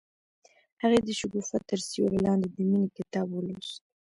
هغې د شګوفه تر سیوري لاندې د مینې کتاب ولوست.